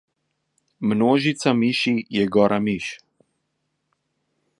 Množica miši je gora miš.